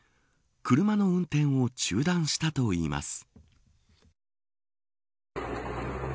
車の運転を中断したといいます。